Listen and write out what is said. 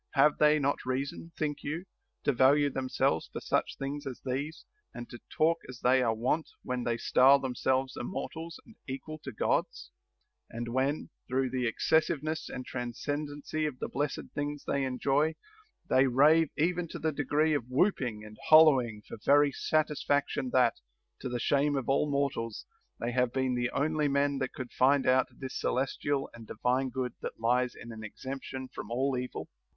Have they not reason, think you, to value themselves for such things as these, and to talk as they are wont when they style themselves immortals and equals to Glods {— and 168 PLEASURE NOT ATTAINABLE when, through the excessiveness and transcendency of the blessed things they enjoy, they rave even to the degree of whooping and hollowing for very satisfaction that, to the shame of all mortals, they have been the only men that could iind out this celestial and divine good that lies in an exemp tion from all evil